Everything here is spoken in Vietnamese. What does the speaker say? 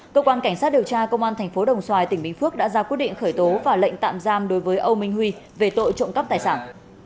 cơ quan cảnh sát điều tra công an tp đồng xoài tỉnh bình phước đã ra quyết định khởi tố và lệnh tạm giam đối với âu minh huy về tội trộm cắp tài sản